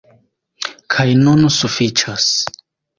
Kaj nun sufiĉas.